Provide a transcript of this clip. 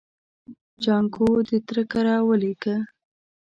جانکو د تره کره ولېږه.